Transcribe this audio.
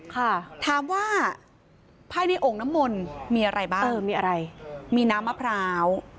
ค่ะถามว่าภายในโอ่งน้ำมนต์มีอะไรบ้างเออมีอะไรมีน้ำมะพร้าว